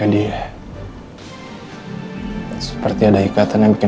ini pemasukan ternyata